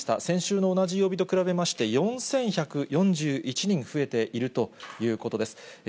先週の同じ曜日と比べまして、４１４１人増えているということです。